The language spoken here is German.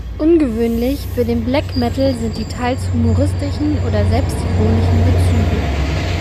Ungewöhnlich für den Black Metal sind die teils humoristischen oder selbstironischen Bezüge.